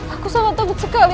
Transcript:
aku sangat takut sekali